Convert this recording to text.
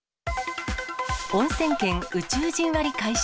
おんせん県宇宙人割開始。